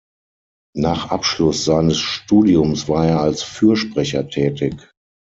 Nach Abschluss seines Studiums war er als Fürsprecher tätig.